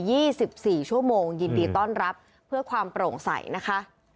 สิบสี่ชั่วโมงยินดีต้อนรับเพื่อความโปร่งใสนะคะ